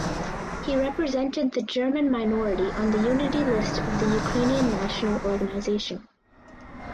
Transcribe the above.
He represented the German minority on the unity list of the Ukrainian National Organization.